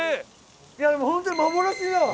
いやでも本当に幻だわ。